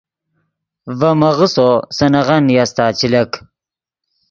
ڤے میغسّو سے نغن نیاستا چے لک